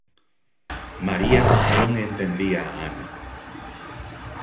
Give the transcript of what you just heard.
María non entendía a Ana.